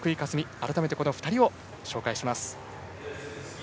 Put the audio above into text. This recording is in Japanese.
改めてこの２人を紹介します。